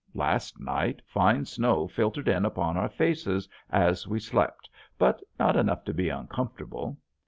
Last night fine snow filtered in upon our faces as we slept but not enough to be uncomfortable.